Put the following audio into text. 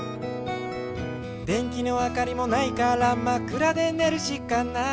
「でんきのあかりもないからまっくらでねるしかない」